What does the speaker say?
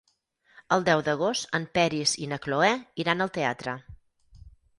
El deu d'agost en Peris i na Cloè iran al teatre.